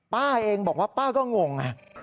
ป้าเองบอกว่าป้าก็งงไง